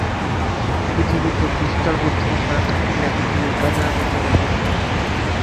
পৃথিবীতে বিস্তর বুদ্ধিমান না থাকিলে পৃথিবীর কাজ অনেকটা সোজা হইত।